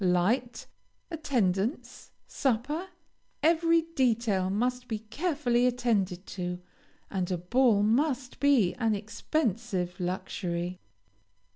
Light, attendance, supper, every detail must be carefully attended to, and a ball must be an expensive luxury.